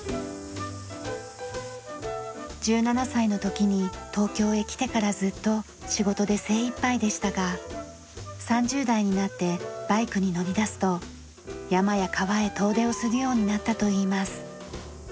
１７歳の時に東京へ来てからずっと仕事で精いっぱいでしたが３０代になってバイクに乗りだすと山や川へ遠出をするようになったといいます。